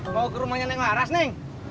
mau ke rumahnya neng laras neng